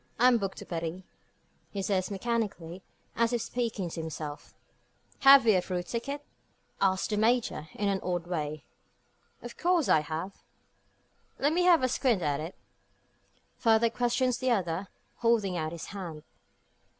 "I'm booked to Paris," he says mechanically, and as if speaking to himself. "Have you a through ticket?" asks the Major, in an odd way. "Of course I have." "Let me have a squint at it?" further questions the other, holding out his hand.